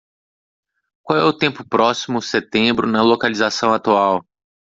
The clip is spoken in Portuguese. Qual é o tempo próximo setembro na localização atual?